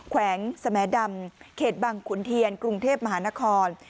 แขวงสแมดำเขตบังขุนเทียนกรุงเทพมหานคร